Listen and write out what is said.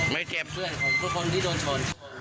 ไม่เจ็บเพื่อนของทุกคนที่โดนชน